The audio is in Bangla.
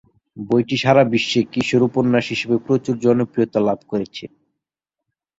বইটি সারা বিশ্বে কিশোর উপন্যাস হিসেবে প্রচুর জনপ্রিয়তা লাভ করেছে।